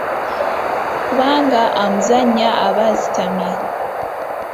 Kubanga amuzannya aba asitamye.